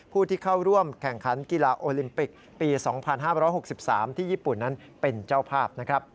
ผู้ที่เข้าร่วมแข่งขันกีฬาโอลิมปิกปี๒๕๖๓ที่ญี่ปุ่นนั้นเป็นเจ้าภาพ